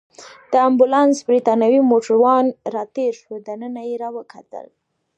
د امبولانس بریتانوی موټروان راتېر شو، دننه يې راوکتل.